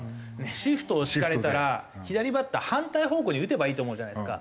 シフトを敷かれたら左バッター反対方向に打てばいいと思うじゃないですか。